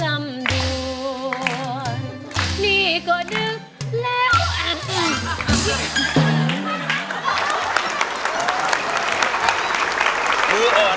ลำดวนนี่ก็ดึกแล้ว